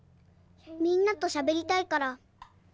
みんなとしゃべりたいから。